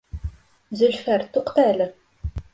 Зөлфәр, туҡта әле.